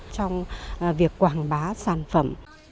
trong việc quảng bá sản phẩm